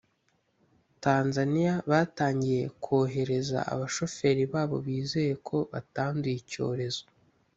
Tanzaniya batangiye kohereza abashoferi babo bizeye ko batanduye icyorezo